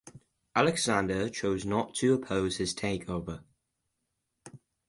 Alexander chose not to oppose his takeover.